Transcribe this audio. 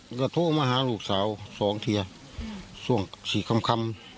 แล้าก็โทรมาหาลูกสาวสองเทียส่วนขับ๔คำ